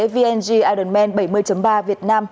vng ironman bảy mươi ba việt nam